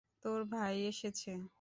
তোর ভাই এসেছে।